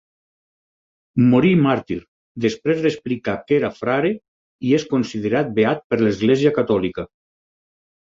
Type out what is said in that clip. Morí màrtir després d'explicar que era frare i és considerat beat per l'Església catòlica.